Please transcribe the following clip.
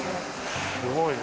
すごいね。